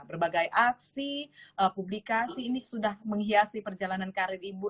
berbagai aksi publikasi ini sudah menghiasi perjalanan karir ibu